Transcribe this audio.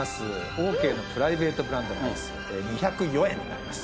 オーケーのプライベートブランドのアイス２０４円になります。